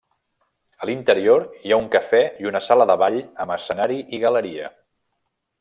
A l'interior hi ha un cafè i una sala de ball amb escenari i galeria.